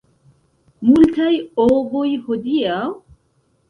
Multaj ovoj hodiaŭ?